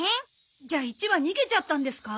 じゃあ１羽逃げちゃったんですか？